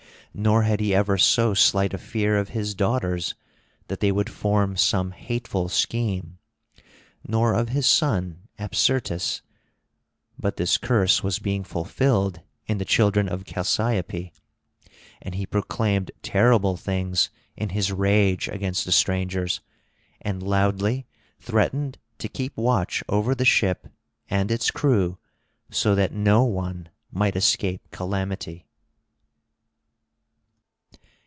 Nor had he ever so slight a fear of his daughters, that they would form some hateful scheme, nor of his son Apsyrtus; but this curse was being fulfilled in the children of Chalciope. And he proclaimed terrible things in his rage against the strangers, and loudly threatened to keep watch over the ship and its crew, so that no one might escape calamity.